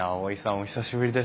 お久しぶりです。